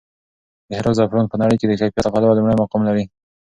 د هرات زعفران په نړۍ کې د کیفیت له پلوه لومړی مقام لري.